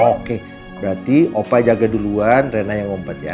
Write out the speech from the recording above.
oke berarti opa jaga duluan rena yang ompet ya